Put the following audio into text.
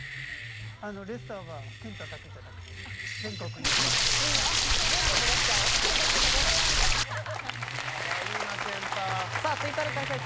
レッサーはケンタだけじゃなくて全国一律。